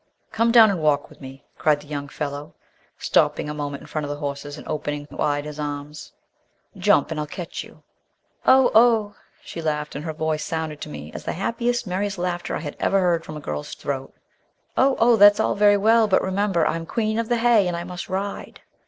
"Come down and walk with me," cried the young fellow, stopping a moment in front of the horses and opening wide his arms. "Jump! and I'll catch you!" "Oh, oh," she laughed, and her voice sounded to me as the happiest, merriest laughter I had ever heard from a girl's throat. "Oh, oh! that's all very well. But remember I'm Queen of the Hay, and I must ride!"